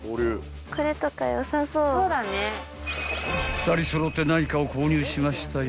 ［２人揃って何かを購入しましたよ］